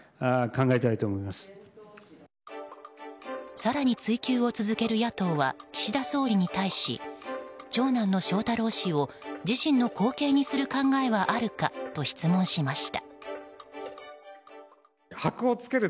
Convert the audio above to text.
更に追及を続ける野党は岸田総理に対し長男の翔太郎氏を自身の後継にする考えはあるかと質問しました。